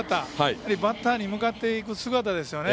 バッターに向かっていく姿ですよね。